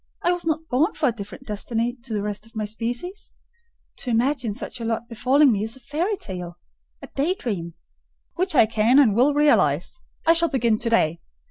I was not born for a different destiny to the rest of my species: to imagine such a lot befalling me is a fairy tale—a day dream." "Which I can and will realise. I shall begin to day.